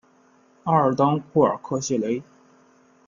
阿尔当库尔科谢雷。